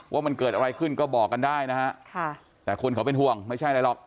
ว่ามันเกิดอะไรขึ้นก็บอกกันได้นะฮะค่ะแต่คนเขาเป็นห่วงไม่ใช่อะไรหรอก